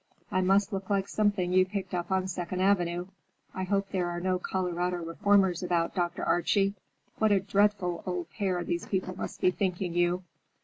I must look like something you picked up on Second Avenue. I hope there are no Colorado reformers about, Dr. Archie. What a dreadful old pair these people must be thinking you!